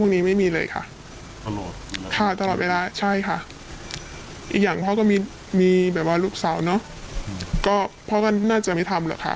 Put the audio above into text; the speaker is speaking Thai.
วันที่๑๑ชั่วทิ้งน้องกับผู้หายพ่ออยู่ไหน